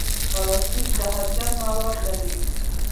پلاستيک زهرجن مواد لري.